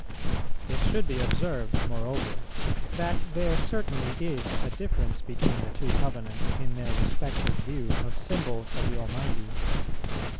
It should be observed, moreover, that there certainly is a difference between the two covenants in their respective view of symbols of the Almighty.